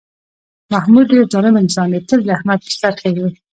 محمود ډېر ظالم انسان دی، تل د احمد په سر خېژي.